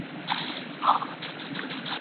نه د شین سترګي تعویذ ګر له کوډو ,